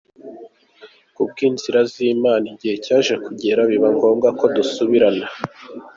Kubw’inzira z’Imana igihe cyaje kugera biba ngombwa ko dusubirana.